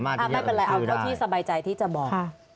ไม่เป็นไรเอาเท่าที่สบายใจที่จะบอก